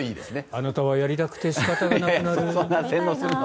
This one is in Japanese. あなたはやりたくて仕方がなくなる。